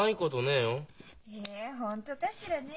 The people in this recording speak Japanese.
え本当かしらね？